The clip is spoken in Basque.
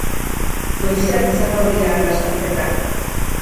Goizean izango dira lasterketak.